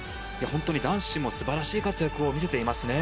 本当に男子も素晴らしい活躍を見せていますね。